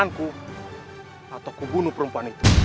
atau aku akan membunuh perempuan itu